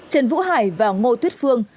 trần vũ hải và ngô thuyết phương